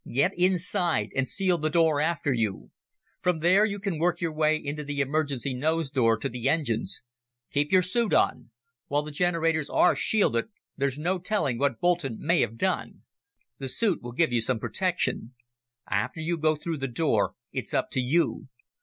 Get inside and seal the door after you. From there you can work your way into the emergency nose door to the engines. Keep your suit on. While the generators are shielded, there's no telling what Boulton may have done. The suit will give you some protection. "After you go through the door, it's up to you.